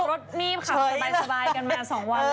รถรีบขับสบายกันมา๒วัน